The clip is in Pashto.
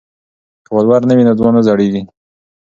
که ولور نه وي نو ځوان نه زړیږي.